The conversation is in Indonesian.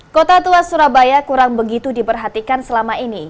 kota tua surabaya kurang begitu diperhatikan selama ini